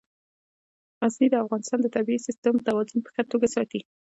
غزني د افغانستان د طبعي سیسټم توازن په ښه توګه ساتي.